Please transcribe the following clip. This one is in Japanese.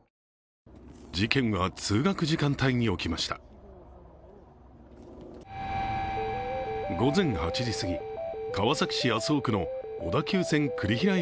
事件は、通学時間帯に起きました午前８時すぎ川崎市麻生区の小田急栗平駅